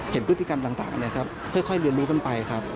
เห็นพฤติกรรมต่างค่อยเรียนรู้ต้นไปครับ